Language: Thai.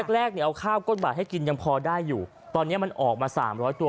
แรกเอาข้าวก้นบาทให้กินยังพอได้อยู่ตอนนี้มันออกมา๓๐๐ตัว